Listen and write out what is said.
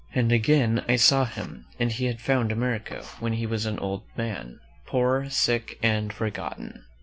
And again I saw him, after he had found America, when he was an old man, poor, sick and forgotten.